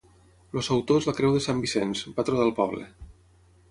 El sautor és la creu de sant Vicenç, patró del poble.